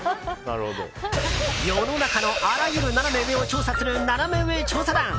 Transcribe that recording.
世の中のあらゆるナナメ上を調査するナナメ上調査団。